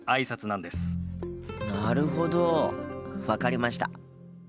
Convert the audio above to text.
なるほど、分かりました。